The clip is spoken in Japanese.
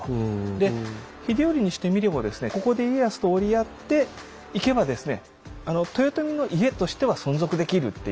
で秀頼にしてみてもここで家康と折り合っていけば豊臣の家としては存続できるっていう。